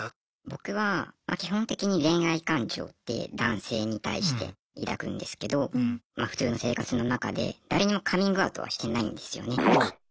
僕は基本的に恋愛感情って男性に対して抱くんですけどま普通の生活の中で誰にもカミングアウトはしてないんですよね。